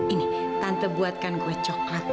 ini tante buatkan kue coklat